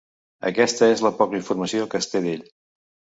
Aquesta és la poca informació que es té d'ell.